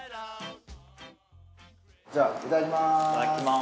じゃあいただきます。